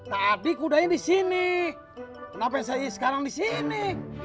tadi kudanya di sini ngapain saya sekarang di sini